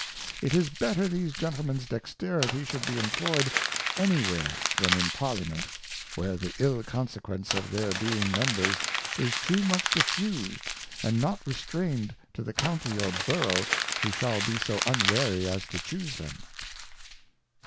It is better these Gentlemen's dexterity should be employed any where than in Parliament, where the ill consequence of their being Members is too much diffused, and not restrained to the County or Borough who shall be so unwary as to Chuse them.